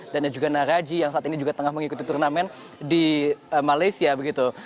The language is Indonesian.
juga naraji yang saat ini juga tengah mengikuti turnamen di malaysia begitu